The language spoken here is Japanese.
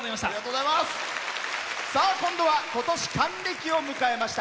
今度はことし、還暦を迎えました。